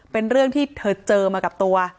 เป็นเรื่องที่เธอเจอมากับตัว